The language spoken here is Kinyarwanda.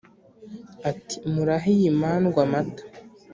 Ati: "Muraha iyi mandwa amata,